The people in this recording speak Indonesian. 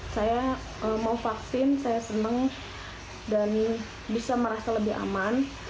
saya mau vaksin saya senang dan bisa merasa lebih aman